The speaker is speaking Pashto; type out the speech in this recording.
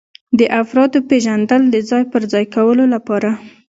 د افرادو پیژندل د ځای پر ځای کولو لپاره.